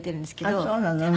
あっそうなの。